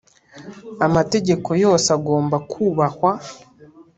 Amategeko yose agomba kubahwa.